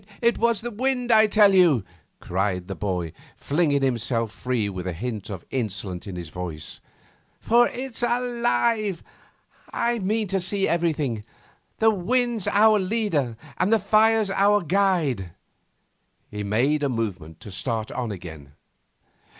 'It was the wind, I tell you,' cried the boy, flinging himself free with a hint of insolence in his voice, 'for it's alive. I mean to see everything. The wind's our leader and the fire's our guide.' He made a movement to start on again.